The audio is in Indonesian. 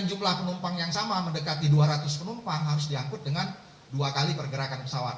jumlah penumpang yang sama mendekati dua ratus penumpang harus diangkut dengan dua kali pergerakan pesawat